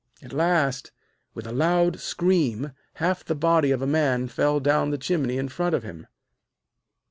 At last, with a loud scream, half the body of a man fell down the chimney in front of him.